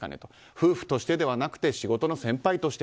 夫婦としてではなくて仕事の先輩として。